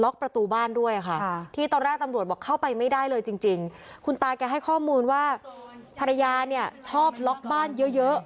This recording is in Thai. คุณตาแกให้ข้อมูลว่าภรรยาชอบล็อกบ้านเยอะ